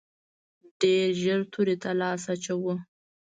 ډېر ژر تورې ته لاس اچوو.